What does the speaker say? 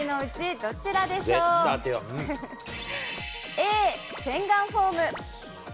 Ａ、洗顔フォーム。